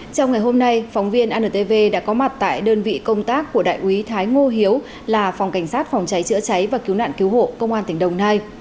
trong ngày hôm nay phóng viên antv đã có mặt tại đơn vị công tác của đại úy thái ngô hiếu là phòng cảnh sát phòng cháy chữa cháy và cứu nạn cứu hộ công an tỉnh đồng nai